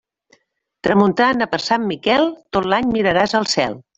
Tramuntana per Sant Miquel, tot l'any miraràs al cel.